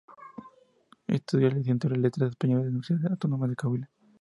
Estudió la Licenciatura en Letras Españolas en la Universidad Autónoma de Coahuila.